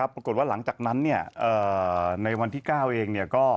ปรากฏว่าหลังจากนั้นในวันที่๙เอง